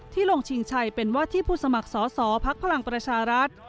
ลงชิงชัยเป็นว่าที่ผู้สมัครสอสอภักดิ์พลังประชารัฐ